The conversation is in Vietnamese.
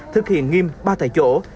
thực hiện nghiêm ba tại chỗ